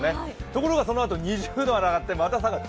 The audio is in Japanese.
ところがそのあと２０度まで上がって、また下がる。